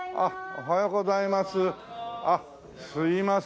おはようございます。